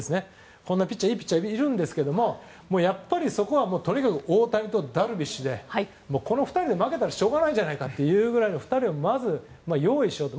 こんないいピッチャーがいるんですけれどもそこはとにかく大谷とダルビッシュでこの２人で負けたらしょうがないんじゃないかという２人をまず用意しようと。